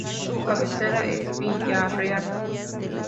Su cabecera es Villarreal.